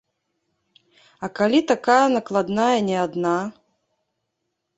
А калі такая накладная не адна?